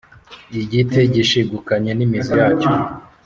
Igiti gishigukanye n'imizi yacyo.